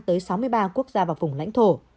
tới sáu mươi ba quốc gia và vùng lãnh thổ